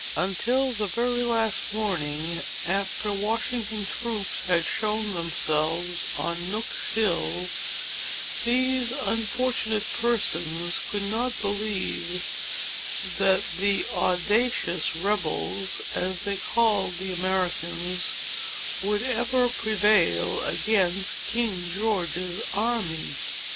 "Until the very last morning after Washington's troops had shown themselves on Nook's hill, these unfortunate persons could not believe that the audacious rebels, as they called the Americans, would ever prevail against King George's army.